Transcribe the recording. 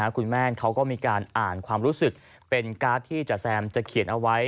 คุณแม่เขาก็มีการอ่านความรู้สึกเป็นการ์ดที่จ๋าแซมจะเขียนเอาไว้